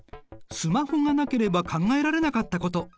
スマホがなければ考えられなかったこと。